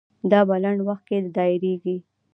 دا په لنډ وخت کې دایریږي.